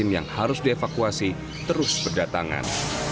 yang harus dievakuasi terus berdatangan